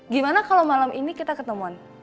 gimana kalau malam ini kita ketemuan